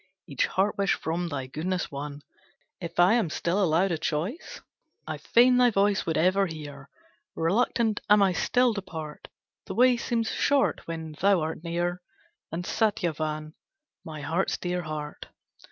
"Each heart wish from thy goodness won, If I am still allowed a choice, I fain thy voice would ever hear, Reluctant am I still to part, The way seems short when thou art near And Satyavan, my heart's dear heart.